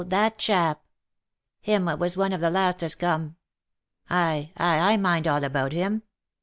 that chap ? Him what was one of the last as come ? Ay, ay, I mind all about him.